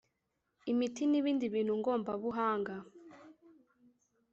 imiti n ibindi bintu ngombabuhanga